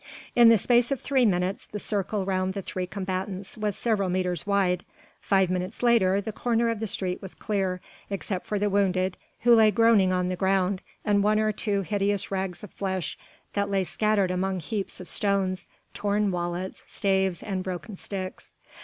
In the space of three minutes the circle round the three combatants was several metres wide, five minutes later the corner of the street was clear, except for the wounded who lay groaning on the ground and one or two hideous rags of flesh that lay scattered among heaps of stones, torn wallets, staves and broken sticks.